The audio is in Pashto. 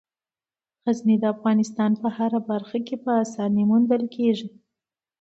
غزني د افغانستان په هره برخه کې په اسانۍ موندل کېږي.